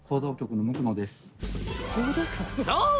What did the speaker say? そう！